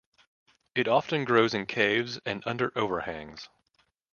It often grows in caves and under overhangs.